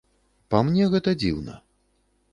Па мне, гэта дзіўна.